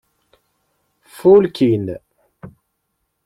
Fulkin.